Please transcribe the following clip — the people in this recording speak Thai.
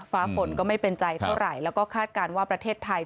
ฟ้าฝนก็ไม่เป็นใจเท่าไหร่แล้วก็คาดการณ์ว่าประเทศไทย